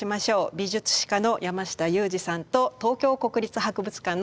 美術史家の山下裕二さんと東京国立博物館の高橋真作さんです。